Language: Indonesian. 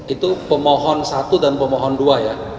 itu pemohon satu dan pemohon dua ya